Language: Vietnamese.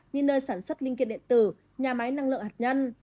như nơi sản xuất linh kiện điện tử nhà máy năng lượng hạt nhân